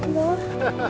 ハハハハ！